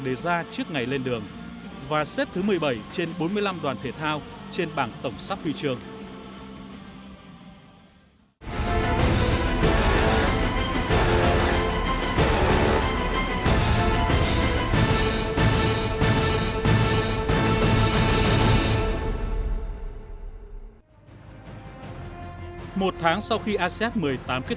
tuy nhiên tại asean một mươi tám những môn olympic được thể thao việt nam đặt kỳ vọng nhiều nhất